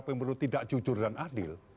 pemilu tidak jujur dan adil